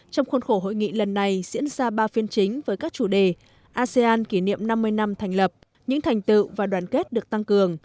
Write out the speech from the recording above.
trong khuôn khổ hội nghị lần này diễn ra ba phiên chính với các chủ đề asean kỷ niệm năm mươi năm thành lập những thành tựu và đoàn kết được tăng cường